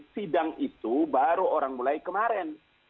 sidang itu baru orang mulai kemarin